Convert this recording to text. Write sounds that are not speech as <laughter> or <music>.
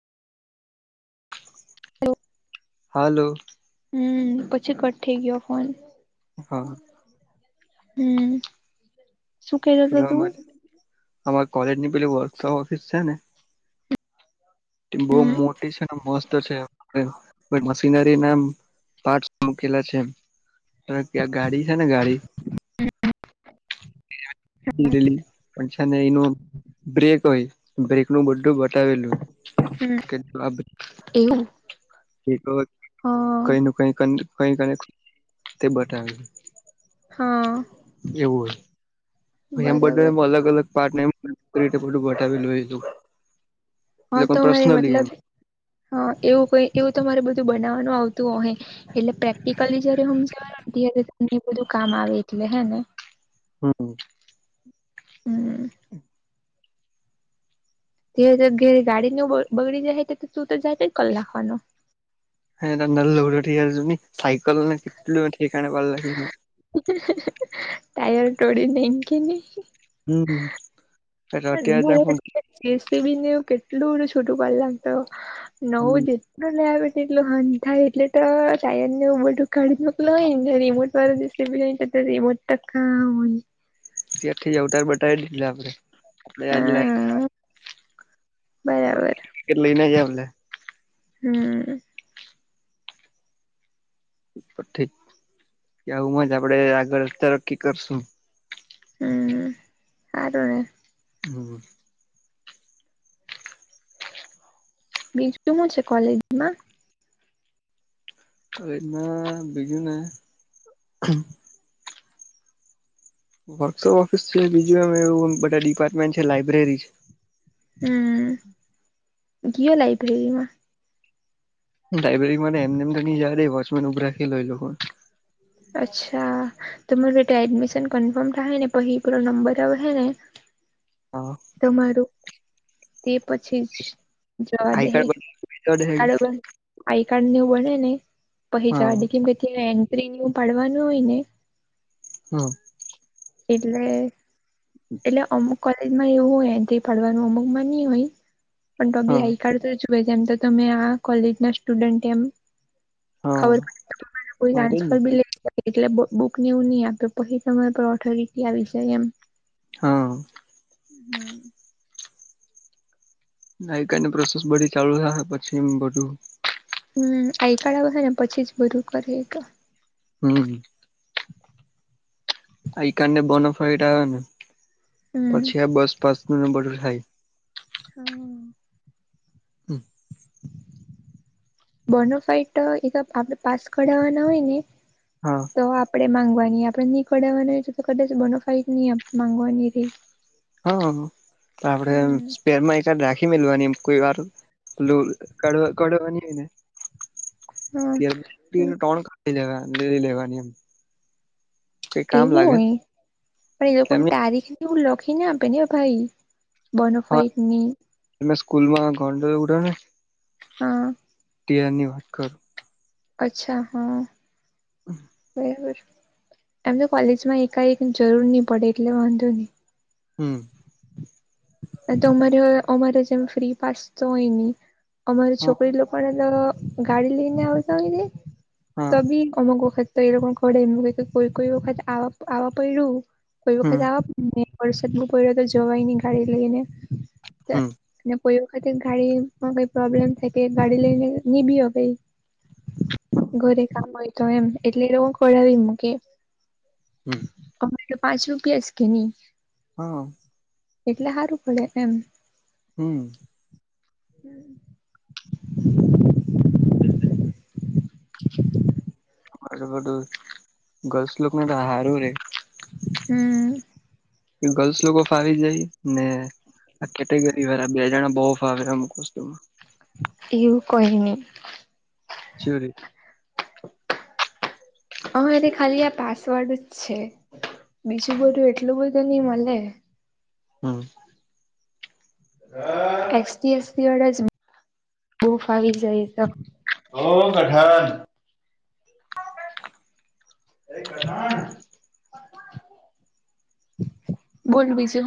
Hello હાલો હમ પછી ઘટ થઈ ગયો ફોન હા. હમ. શું કેતો હતો તું રમન અમારે કોલેજ ની પેલી વર્કશોપ ઓફિસ છે ને? બહુ હમ મોટી છે ને મસ્ત છે. આપણે મશીનરીના આમ પાર્ટ મૂકેલા છે એમ. ત ક્યાં ગાડી છે ને ગાડી. ડેલિગ પણ છે ને એનું બ્રેક હોય બ્રેક નું બધું બટાવેલું હમ એવું એ તો હા કઈ ન કઈ કઈ ક તે બતાવી. હા. એવું હોય. એમ બધે બરાબર નુ અલગ અલગ પાર્ટ એમ બધું બાતાવેલું હતું? હા તમારે મતલબ હા એવું કઈ એવું તમારે બધું બનાવવાનું આવતું હોયે. એટલે પ્રેક્ટિકલી જયારે હમજાવે ને ત્યારે તમ બધું કામ આવે એટલે હે ને હમ. હ <inaudible> હમ <inaudible> જે જગ્યાએ ગાડી નુ બ બગડી જાય તું તો જાય ક લખવાનો. હ તરી જ ન સકલનેટ કાર ભ લાગ <inaudible> ટાયર ટોડી નઈકી ની હમ. <inaudible> લ બેઠ એટલું હંધ થાય એટલે તો ટાયર ને ઉર ઉાડીનેક હોય નેને રિમોટ વાળ <inaudible> ત આખથી જવતાર બટાવ દી આપડે. હા બરાબર <inaudible> હમ તો ઠીક કે હું જ આપડે આગળ અતારક્કી કરશું? હ હારુન હમ બી શું છે કોલેજમાં? ના બીજને વર્કશોપ ઓફિસ છે બીજું એમ એવું બધા ડિપાર્ટમેન્ટ છે લાઈબ્રેરી છે. હમ, કયો લાઈબ્રેરીમાં? લાયબ્રેરી એમને એમ ની જે વોચમેન ઉભરાખ લઈ લો હોય. અચ્છા, તો મરોટ એડમિશન કન્ફર્મડ ને પ હ પરો નંબર આવ હ હ ને. હા. તમારું, તે પછી જ. જોવા આઈ દે હે, કાર્ડ બરોબર. આઈ કાર્ડ વું બને ને, પછ હા જડી કેમ કે એન્ટ્રી એવું પાડવાનું હોય ને. હમ. એટલે એટલે અમુક કલે માં એવું હોય એથી ફડવાનું અમુક માં નહ હોય, પણ તો બી હા આઈ કાર્ડ જો એમ તો તમે આ કોલેજ ના સ્ટુડન્ટ એમ. હા ખબર કોઈ હા તેજ ટાન્સફર ને બ લ. <unintelligible> એટલે બુક નેવું નહ આપ્યો પી સમય પર ઓથોરિટી આવી જાય એમ. હા. હમ નાઈકાઈની પ્રોસેસ બધી ચાલુ થ પછી એ બધું. હમ આઈકાર્ડ આવે ને પછી જ બધું કરીએ તો. હમ, આઈ કાર્ડ ને બનોફાઈટ આવે ને. પછી આ બસ પાસ નું બદ્દુ થાય. હમ. હમ. બોનો ફાઈટ તો એક આપડણે પાસ કરઢાવવાના હોય ને. હા. તો આપડે માંગવાની આપડે નહી કઢાવવાનું હોય તો, કાળાજ નહી ગવાની રહી. હા. આપણે હમ સ્પેરમાં એક રાખી મેલવાની કોઈ વાર. ક કડવાની હોયને. હા ટ કાઢી લેવા લે લેવાની એમ. કઈ કામ એવું લાગે હોય, પણ એ લોકો તારીખ ને એવું લખીને આપે ને ભાઈ. હા બોનોફાઈટની. તમે સ્કૂલ માં ઘોંડ ઉડ્યો ને. હા. જ્યાર ની વાત કરુ. અચ્છા હા, બરાબર. એમ તો કોલેજ માં એકાએક જરૂર નહી પડે એટલે વાંધો નહી. હમ. તો અમારે અમારે જેમ ફ્રી પાસ તો હોય નહી, અમારે હા છોકરી લોકોને તો ગાડી લઈને આવ તો હોય ને, હા તો બી અમુક વક્ત તો એ લોકોમ ઘર એમ લોકો એક ખા આ આવવા પરું, હમ ખા આવા મે વરસાદ બ પડ્યો તો જવાય નહી ગાડી લઈને. હમ અને પો ખા ગાડી મ પ્રબ્લેમ થાય ગાડી લઈને નહીં ભી અવાય. ઘરે કામ હોય તો એમ એટલે હું ખોડાવી મુકે. હમ. આપડે તો પાંચ રૂપીસ કે નહીં. હા. એટલે હારું પડે એમ. હમ્મ. <inaudible> <unintelligible> બધું ગર્લ્સ લોકને તો હારુ રહે. હમ્મ. ને ગર્લ્સ લોકો ફાવી જાય ને આ કેટેગરીવાળા બે જણા બહું ફાવે <unintelligible> એવું કહી નહીં. <unintelligible> અમારે ખાલી આ પાસવર્ડ જ છે. બીજું બધુંઈ એટલું બધું નઈ મલે. હમ્મ. એ સી, એસ ટી વાળા જ બહું ફાવી જાય <unintelligible> <unintelligible> બોલ બીજું હું